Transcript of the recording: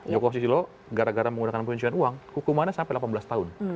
joko susilo gara gara menggunakan pencucian uang hukumannya sampai delapan belas tahun